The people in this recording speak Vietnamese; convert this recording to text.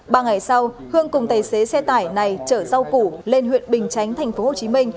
ba ngày sau hương cùng tài xế xe tải này chở rau củ lên huyện bình chánh tp hcm